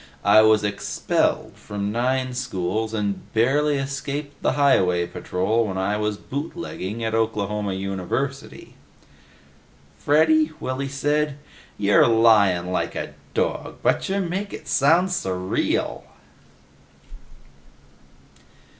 I was expelled from nine schools and barely escaped the highway patrol when I was bootlegging at Oklahoma University!" "Freddy," Willy said, "you're lyin' like a dog, butcha make it sound s' real!"